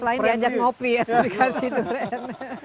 selain diajak kopi ya dikasih duren